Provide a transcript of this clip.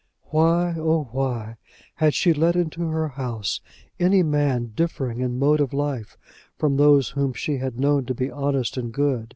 Why, oh why, had she let into her house any man differing in mode of life from those whom she had known to be honest and good?